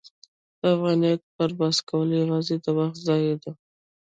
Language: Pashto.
د افغانیت پر بحث کول یوازې د وخت ضایع ده.